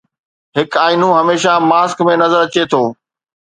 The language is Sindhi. هڪ آئينو هميشه ماسڪ ۾ نظر اچي ٿو